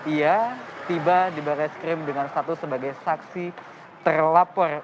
ia tiba di barai skrim dengan status sebagai saksi terlapor